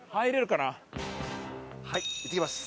はいいってきます。